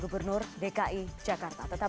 gubernur dki jakarta tetap